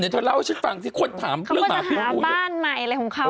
เดี๋ยวเธอเล่าให้ฉันฟังที่ควรถามเรื่องหมาพี่อู๋เขาว่าจะหาบ้านใหม่อะไรของเขา